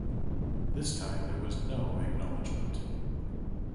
This time, there was no acknowledgement.